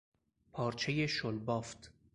پارچهی شل بافت